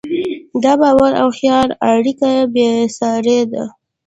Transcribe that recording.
د باور او خیال اړیکه بېساري ده.